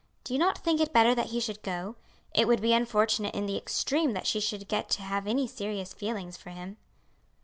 Do you not think it better that he should go? It would be unfortunate in the extreme that she should get to have any serious feelings for him."